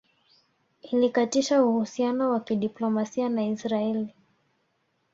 Ilikatisha uhusiano wa kidiplomasia na Israeli